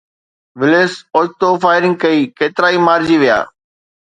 وليس اوچتو فائرنگ ڪئي، ڪيترائي مارجي ويا